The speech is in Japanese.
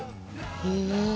へえ。